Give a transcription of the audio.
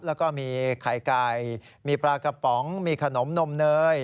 แล้วก็มีไข่ไก่มีปลากระป๋องมีขนมนมเนย